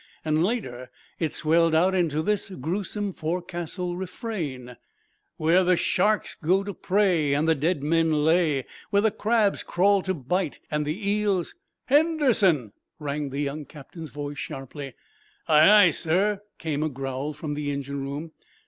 Later it swelled out into this gruesome forecastle refrain: _Where the sharks go to pray, And the dead men lay Where the crabs crawl to bite, And the eels _ "Henderson!" rang the young captain's voice sharply. "Aye, aye, sir!" came a growl from the engine room.